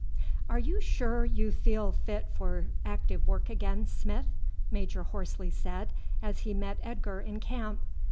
"Are you sure you feel fit for active work again, Smith?" Major Horsley said as he met Edgar in camp.